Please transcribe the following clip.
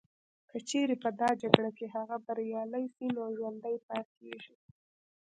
که چیري په دا جګړه کي هغه بریالي سي نو ژوندي پاتیږي